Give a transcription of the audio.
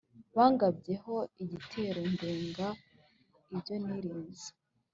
Bangabyeho igitero Ndenga ibyo nirinze